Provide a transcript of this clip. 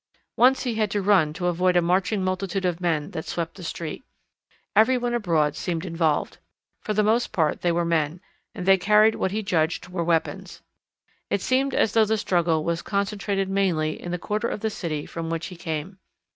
Once he had to run to avoid a marching multitude of men that swept the street. Everyone abroad seemed involved. For the most part they were men, and they carried what he judged were weapons. It seemed as though the struggle was concentrated mainly in the quarter of the city from which he came.